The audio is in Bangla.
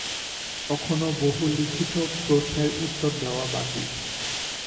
তখনও বহু লিখিত প্রশ্নের উত্তর দেওয়া বাকী।